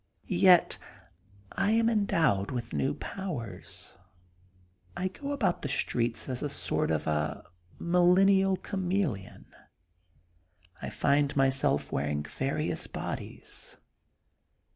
Yet I am endowed with new powers. I go about the streets as a sort of a millennial chameleon. I find myself wearing various bodies.